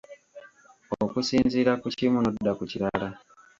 Okusinziira ku kimu n'odda ku kirala.